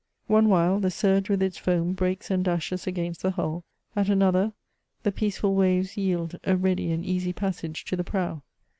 One while the surge with its foam breaks and dashes against the hull — at another, the peaceful waves yield a ready and easy passage to the prow.